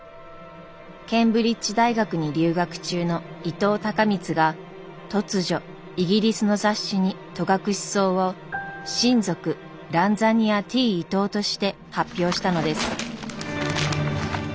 ケンブリッジ大学に留学中の伊藤孝光が突如イギリスの雑誌に戸隠草を新属ＲＡＮＺＡＮＩＡＴ．Ｉｔｏとして発表したのです。